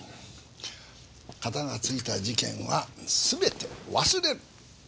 カタがついた事件は全て忘れる！